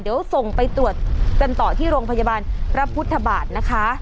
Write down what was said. เดี๋ยวส่งไปตรวจกันต่อที่โรงพยาบาลพระพุทธบาทนะคะ